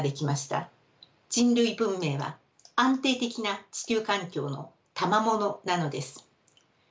人類文明は安定的な地球環境のたまものなのです。